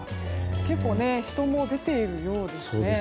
結構、人も出ているようですね。